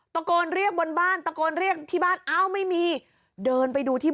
ตะโกนเรียกบนบ้านตะโกนเรียกที่บ้านอ้าวไม่มี